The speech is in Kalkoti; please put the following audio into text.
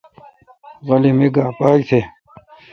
غلی می گاؘ پاک تھ۔